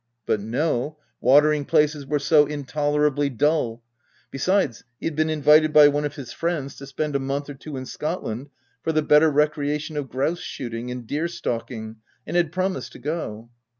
But no ; watering places were so intolerably dull — besides, he had been invited by one of his friends to spend a month or two in Scotland for the better recreation of grouse shooting and deer stalking, and had promised to go.